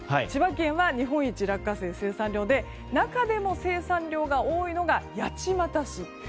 千葉県は日本一、落花生の生産量で中でも生産量が多いのが八街市。